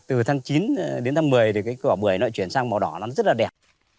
từ tháng chín đến tháng một mươi thì cái cỏ bưởi nó chuyển sang màu đỏ lắm rất là đẹp